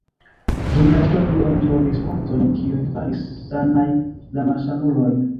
Dum la historio oni trovis fontojn, kiuj faris sanaj la malsanulojn.